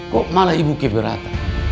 kok malah ibu kek berat